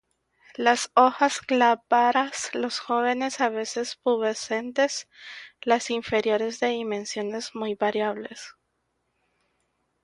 Las hojas glabras –las jóvenes a veces pubescentes–, las inferiores de dimensiones muy variables.